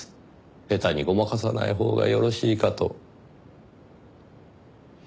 下手にごまかさないほうがよろしいかと。